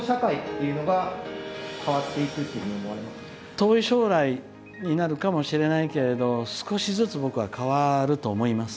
遠い将来になるかもしれないけれど少しずつ僕は変わると思います。